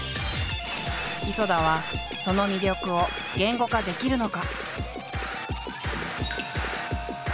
磯田はその魅力を言語化できるのか？